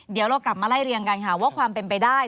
เดี๋ยวเรากลับมาไล่เรียงกันค่ะว่าความเป็นไปได้